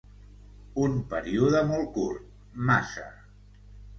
Un període molt curt, massa.